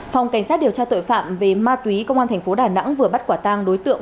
phòng cảnh sát điều tra tội phạm về ma túy công an thành phố đà nẵng vừa bắt quả tang đối tượng